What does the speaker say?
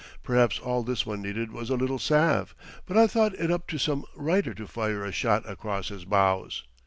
Perhaps all this one needed was a little salve; but I thought it up to some writer to fire a shot across his bows.